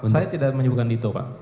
saya tidak menyebutkan dito pak